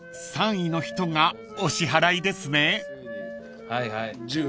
［３位の人がお支払いですね］